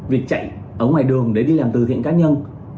việc chạy ở ngoài đường để đi làm từ thiện cá nhân